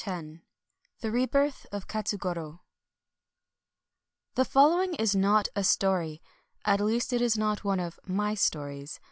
X THE REBIRTH OF KATSUGORO The following is not a story, — at least it is not one of my stories.